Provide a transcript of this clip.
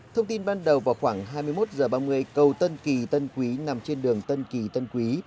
thông tin ban đầu vào khoảng hai mươi một h ba mươi cầu tân kỳ tân quý nằm trên đường tân kỳ tân quý